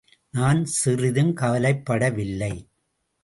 நான் சிறிதும் கவலைப்படவில்லை.